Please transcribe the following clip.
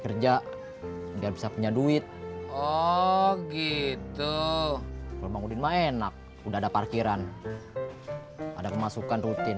kerja dia bisa punya duit particularly tuh kedua mack enak udah ada parkiran ada kemasukan rutin